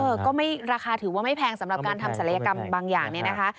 เค้าก็ไม่ราคาถือว่าไม่แพงการทำศาลยากรรมบางอย่างเนี่ยนะคะ